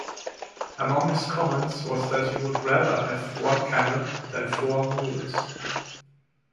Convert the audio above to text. Among his comments was that he would rather have one camel than four mules.